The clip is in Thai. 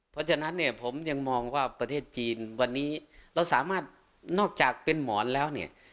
เพราะฉะนั้นเนี่ยผมยังมองว่าประเทศจีนวันนี้เราสามารถนอกจากเป็นหมอนแล้วเนี่ย